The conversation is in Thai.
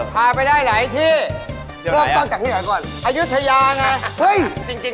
พาไปได้ไหนไอ้ที่